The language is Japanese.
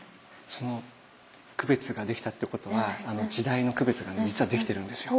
その区別ができたっていうことは時代の区別が実はできてるんですよ。